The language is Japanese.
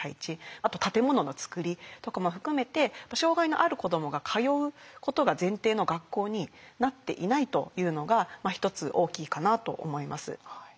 あと建物のつくりとかも含めて障害のある子どもが通うことが前提の学校になっていないというのが一つ大きいかなと思います。